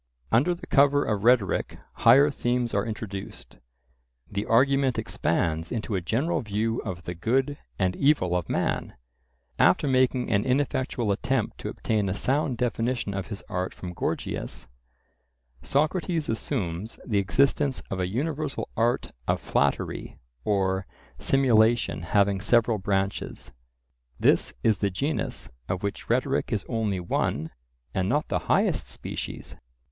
Under the cover of rhetoric higher themes are introduced; the argument expands into a general view of the good and evil of man. After making an ineffectual attempt to obtain a sound definition of his art from Gorgias, Socrates assumes the existence of a universal art of flattery or simulation having several branches:—this is the genus of which rhetoric is only one, and not the highest species.